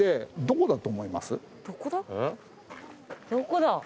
どこだ？